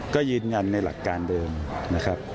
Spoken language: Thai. ก็ยืนยันในหลักการเดิมนะครับ